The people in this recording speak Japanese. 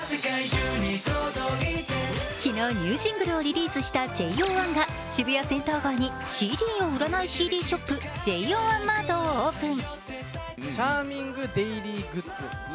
昨日、ニューシングルをリリースしたＪＯ１が渋谷センター街にＣＤを売らないＣＤショップ、ＪＯ１ＭＡＲＴをオープン。